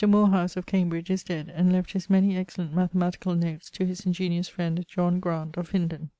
Moorhouse (of Cambridge) is dead and left his many excellent mathematicall notes to his ingeniose friend, John Graunt, of Hindon.